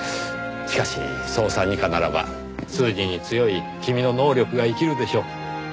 しかし捜査二課ならば数字に強い君の能力が生きるでしょう。